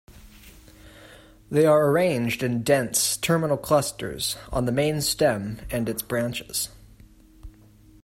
They are arranged in dense, terminal clusters on the main stem and its branches.